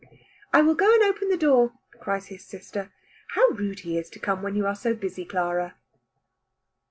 "I will go and open the door," cries his sister; "how rude he is to come when you are so busy, Clara."